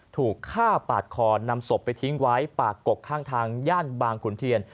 ถูกฆ่าปาดคอนำศพไปทิ้งไว้ปากกกข้างทางย่านบางขุนเทียน